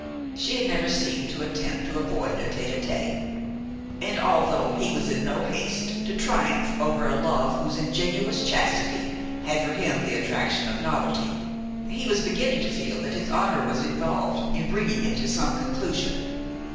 She had never seemed to attempt to avoid a tête à tête, and although he was in no haste to triumph over a love whose ingenuous chastity had for him the attraction of novelty, he was beginning to feel that his honor was involved in bringing it to some conclusion.